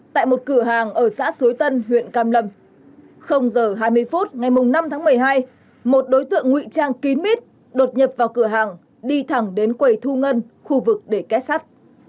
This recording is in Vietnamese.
tại một cửa hàng ở xã suối tân huyện cam lâm h hai mươi phút ngày năm tháng một mươi hai một đối tượng ngụy trang kín mít đột nhập vào cửa hàng đi thẳng đến quầy thu ngân khu vực để kết sắt